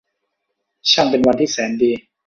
ช่างเป็นวันที่แสนดี !